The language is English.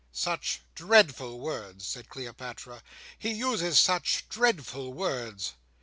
"Such dreadful words," said Cleopatra. "He uses such dreadful words!"